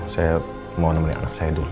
saya mau nemuin anak saya dulu